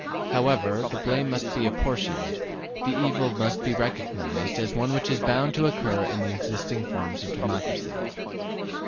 However the blame may be apportioned, the evil must be recognized as one which is bound to occur in the existing forms of democracy.